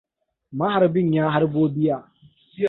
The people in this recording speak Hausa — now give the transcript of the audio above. Maharbin ya harbo bear.